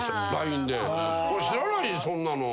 知らないそんなの。